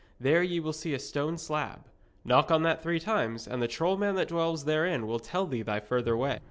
There ye will see a stone slab. Knock on that three times, and the troll man that dwells therein will tell thee thy further way.'